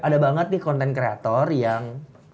ada banget nih content creator yang